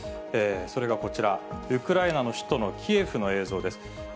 それがこちら、ウクライナの首都のキエフの映像です。